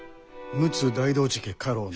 陸奥大道寺家家老の。